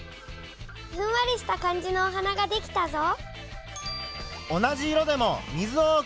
ふんわりした感じのお花が出来たぞ。